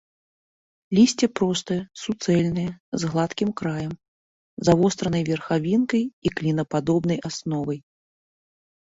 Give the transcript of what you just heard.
Лісце простае, суцэльнае, з гладкім краем, завостранай верхавінкай і клінападобнай асновай.